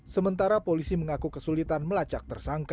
sementara polisi mengaku kesulitan melacak tersangka